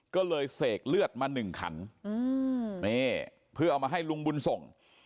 ก็เลยเสกเลือดมาหนึ่งขันเพื่อเอามาให้ลุงบุญส่ง